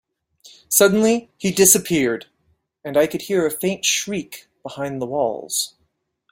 Suddenly, he disappeared, and I could hear a faint shriek behind the walls.